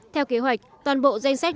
theo kế hoạch toàn bộ danh sách nước anh